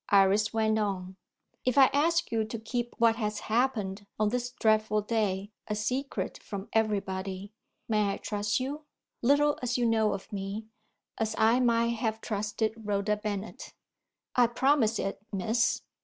Iris went on: "If I ask you to keep what has happened, on this dreadful day, a secret from everybody, may I trust you little as you know of me as I might have trusted Rhoda Bennet?" "I promise it, Miss."